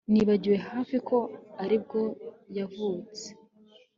Nibagiwe hafi ko aribwo yavutse